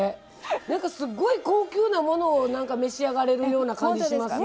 なんかすごい高級なものを召し上がれるような感じしますね。